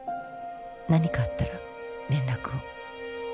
「何かあったら連絡を」